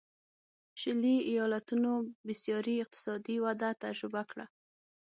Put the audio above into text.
شلي ایالتونو بېسارې اقتصادي وده تجربه کړه.